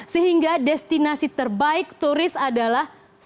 sehingga destinasi terbaik turis adalah sumatera barat